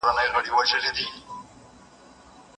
د نن پوښتنه مه کوه پر مېنه مي اور بل دی